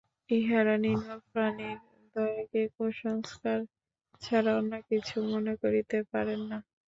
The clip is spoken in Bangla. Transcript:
ইঁহারা নিম্ন প্রাণীর প্রতি দয়াকে কুসংস্কার ছাড়া অন্য কিছু মনে করিতে পারেন না।